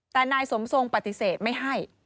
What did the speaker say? แต่นายสมทรงปฏิเสธไม่ให้